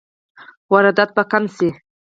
واردات به کم شي؟